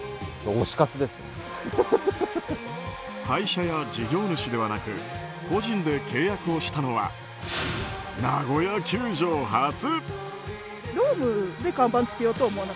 会社や事業主ではなく個人で契約をしたのはナゴヤ球場初。